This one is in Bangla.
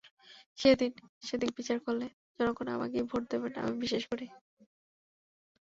সেদিক বিচার করলে জনগণ আমাকেই ভোট দেবেন বলে আমি বিশ্বাস করি।